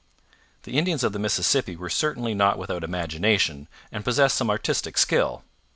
The Indians of the Mississippi were certainly not without imagination and possessed some artistic skill.